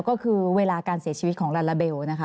ก็คือเวลาการเสียชีวิตของลาลาเบลนะคะ